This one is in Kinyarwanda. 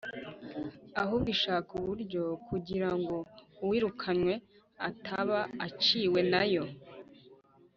ahubwo ishaka uburyo kugira ngo uwirukanywe ataba uciwe na yo.